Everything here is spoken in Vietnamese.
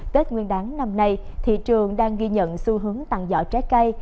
tết nguyên đáng năm nay thị trường đang ghi nhận xu hướng tặng giỏ trái cây